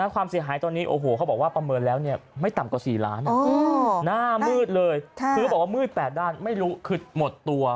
ความเสียหายตอนนี้เค้าบอกว่าคุณประเมินแล้ว